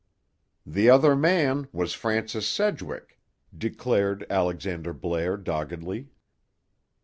"The other man was Francis Sedgwick," declared Alexander Blair doggedly.